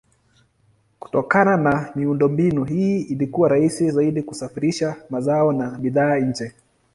Kutokana na miundombinu hii ilikuwa rahisi zaidi kusafirisha mazao na bidhaa nje.